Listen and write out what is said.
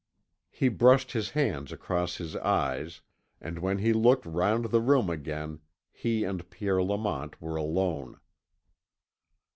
He brushed his hand across his eyes, and when he looked round the room again, he and Pierre Lamont were alone.